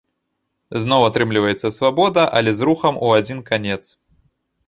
Зноў атрымліваецца свабода, але з рухам у адзін канец.